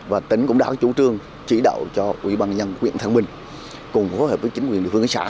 và tỉnh cũng đã có chủ trương chỉ đạo cho ubnd quyện thang bình cùng hỗ trợ với chính quyền địa phương xã